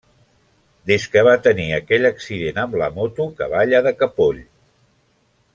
Des que va tenir aquell accident amb la moto que balla de capoll.